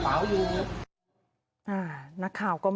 ผมเครียดแล้วเนี่ย